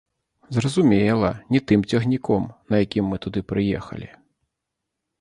Зразумела, не тым цягніком, якім мы туды прыехалі.